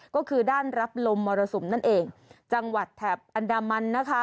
ก็คือด้านรับลมมรสุมนั่นเองจังหวัดแถบอันดามันนะคะ